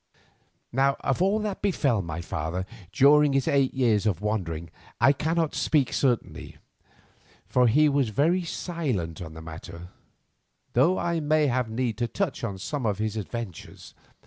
Now of all that befell my father during his eight years of wandering I cannot speak certainly, for he was very silent on the matter, though I may have need to touch on some of his adventures.